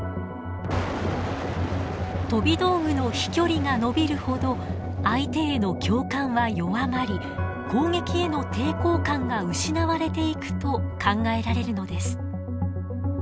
飛び道具の飛距離が延びるほど相手への共感は弱まり攻撃への抵抗感が失われていくと考えられるのです。